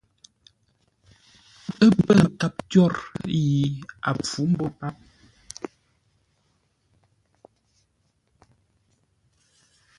Ə́ pə̂ nkâp twôr yi a pfǔ mbô páp.